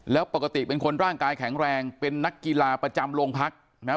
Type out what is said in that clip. แล้วปกติเป็นคนร่างกายแข็งแรงเป็นนักกีฬาประจำโรงพักนะครับ